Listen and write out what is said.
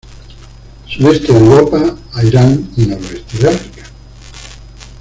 Sudeste de Europa a Irán y noroeste de África.